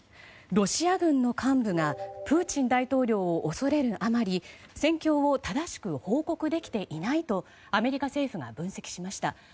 ロシア軍の幹部がプーチン大統領を恐れるあまり戦況を正しく報告できていないとアメリカ政府が分析しました。